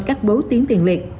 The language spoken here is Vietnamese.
các bố tiến tiền liệt